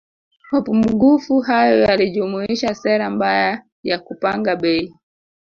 Mapungufu hayo yalijumuisha sera mbaya ya kupanga bei